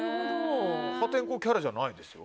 破天荒キャラじゃないですよ。